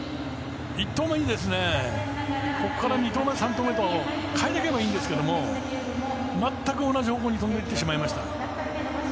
１投目にここから２投目、３投目と変えていければいいんですけど全く同じ方向に飛んでいってしまいました。